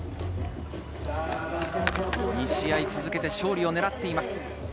２試合続けて勝利を狙っています。